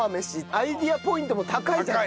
アイデアポイントも高いじゃん。